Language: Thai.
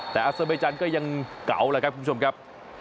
แต่อาเซอร์เบจันก็ยังเก๋าแหละครับคุณผู้ชมครับ